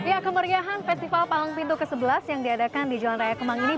ya kemeriahan festival palang pintu ke sebelas yang diadakan di jalan raya kemang ini